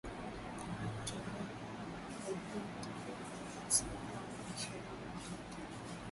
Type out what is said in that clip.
wakitumia roketi dhidi ya waasi hao wa ishirini na tatu